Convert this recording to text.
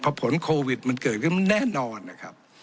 ผลของโควิดมันเกิดขึ้นแน่นอนนะครับ